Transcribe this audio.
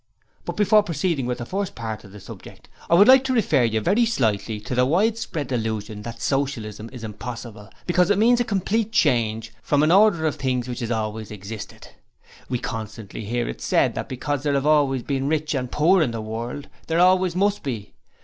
But before proceeding with the first part of the subject, I would like to refer very slightly to the widespread delusion that Socialism is impossible because it means a complete change from an order of things which has always existed. We constantly hear it said that because there have always been rich and poor in the world, there always must be.